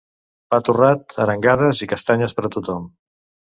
Pa torrat, arengades i castanyes per a tothom.